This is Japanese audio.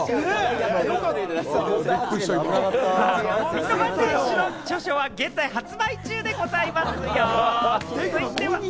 三笘選手の著書は現在発売中ですよ。